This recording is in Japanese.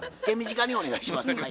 手短にお願いします。